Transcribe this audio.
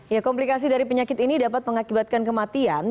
ya komplikasi dari penyakit ini dapat mengakibatkan kematian